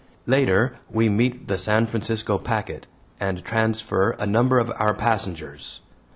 Later we meet the San Francisco packet, and transfer a number of our passengers.